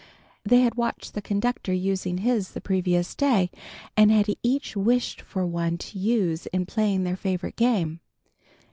They had watched the conductor using his the previous day, and had each wished for one to use in playing their favorite game.